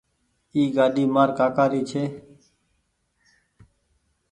اي گآڏي مآر ڪآڪآ ري ڇي